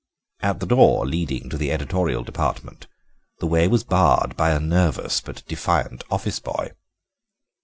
At the door leading to the editorial department the way was barred by a nervous but defiant office boy.